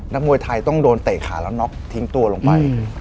มวยไทยต้องโดนเตะขาแล้วน็อกทิ้งตัวลงไป